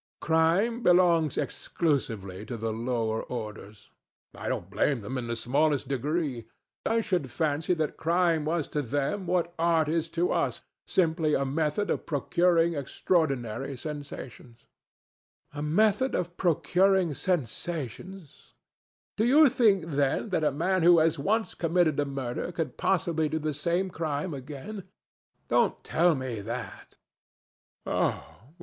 Crime belongs exclusively to the lower orders. I don't blame them in the smallest degree. I should fancy that crime was to them what art is to us, simply a method of procuring extraordinary sensations." "A method of procuring sensations? Do you think, then, that a man who has once committed a murder could possibly do the same crime again? Don't tell me that."